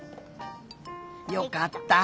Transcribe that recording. よかった！